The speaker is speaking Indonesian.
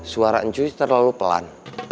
suara ncuy terlalu pelan